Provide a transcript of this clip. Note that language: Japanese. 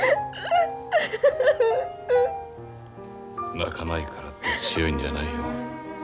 泣かないからって強いんじゃないよ。